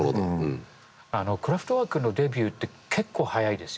クラフトワークのデビューって結構早いですよね